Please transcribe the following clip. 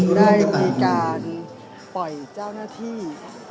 ได้มีการปล่อยเจ้าหน้าที่